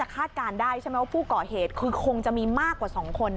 คาดการณ์ได้พวกก่อเหตุคงมีความมีผิดมากกว่าสองคน